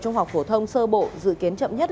trung học phổ thông sơ bộ dự kiến chậm nhất